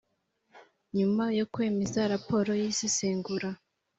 Nyuma yo kwemeza raporo y isesengura